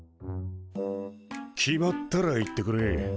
決まったら言ってくれ。